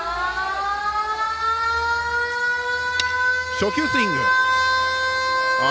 初球、スイング。